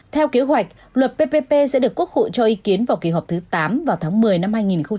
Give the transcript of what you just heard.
theo kế hoạch luật ppp sẽ được quốc hội cho ý kiến vào kỳ họp thứ tám vào tháng một mươi năm hai nghìn hai mươi